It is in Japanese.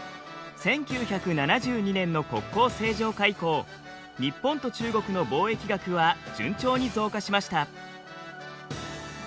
１９７２年の国交正常化以降日本と中国の貿易額は順調に増加しました。